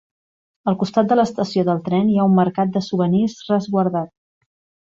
Al costat de l'estació del tren hi ha un mercat de souvenirs resguardat.